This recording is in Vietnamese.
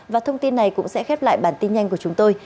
và thông tin này cũng sẽ khép lại bản tin nhanh của chúng tôi